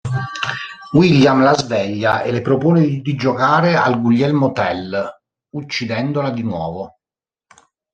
William la sveglia e le propone di giocare al Guglielmo Tell, uccidendola di nuovo.